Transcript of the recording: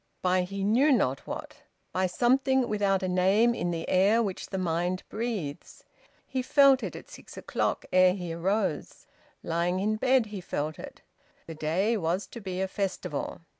By he knew not what. By something without a name in the air which the mind breathes. He felt it at six o'clock, ere he arose. Lying in bed he felt it. The day was to be a festival.